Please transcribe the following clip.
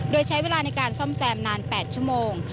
โดยใช้เวลาในการซ่อมแซมนาน๘ชั่วโมง